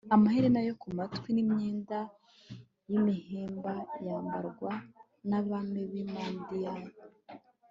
amaherena yo ku matwi n'imyenda y'imihemba yambarwaga n'abami b'i madiyani